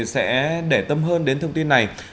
sẽ để tâm hơn đến thông tin này